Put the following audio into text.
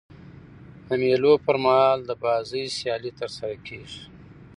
د مېلو پر مهال د بازۍ سیالۍ ترسره کیږي.